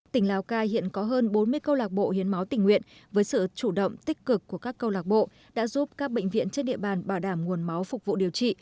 tỉnh lào cai hiện có hơn bốn mươi câu lạc bộ hiến máu tình nguyện với sự chủ động tích cực của các câu lạc bộ đã giúp các bệnh viện trên địa bàn bảo đảm nguồn máu phục vụ điều trị